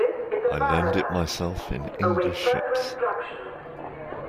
I learned it myself in English ships.